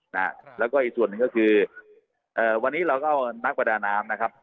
นะฮะแล้วก็อีกส่วนหนึ่งก็คือเอ่อวันนี้เราก็เอานักประดาน้ำนะครับ